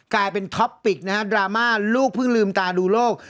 กลายเป็นท็อปปิกนะฮะดราม่าลูกเพิ่งลืมตาดูโลก